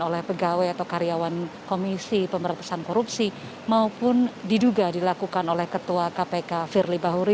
oleh pegawai atau karyawan komisi pemerintahan korupsi maupun diduga dilakukan oleh ketua kpk firly bahuri